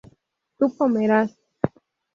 tú comerás